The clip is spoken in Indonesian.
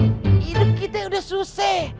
hidup kita udah susih